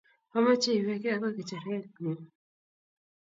omeche iweke agoi ngecheree ng'ung